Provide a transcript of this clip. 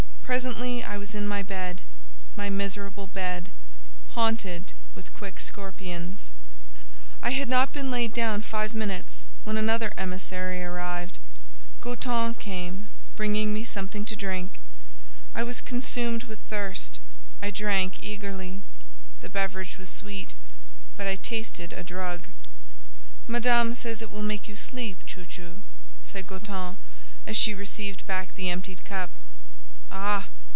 Presently I was in my bed—my miserable bed—haunted with quick scorpions. I had not been laid down five minutes, when another emissary arrived: Goton came, bringing me something to drink. I was consumed with thirst—I drank eagerly; the beverage was sweet, but I tasted a drug. "Madame says it will make you sleep, chou chou," said Goton, as she received back the emptied cup. Ah!